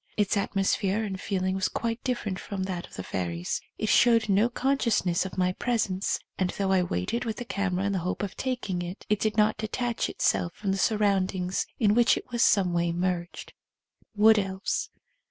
Its atmosphere and feeling was quite di:fferent from that of the fairies. It showed no con sciousness of my presence, and, though I waited with the camera in the hope of taking it, it did not detach itself from the surround ings in which it was in some way merged. Wood Elves.